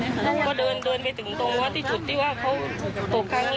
เข้ามาพวายดูเขาน่ะเค้าเห็นเขา